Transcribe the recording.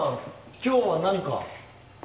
今日は何か？